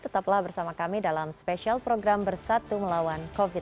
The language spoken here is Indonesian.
tetaplah bersama kami dalam spesial program bersatu melawan covid sembilan belas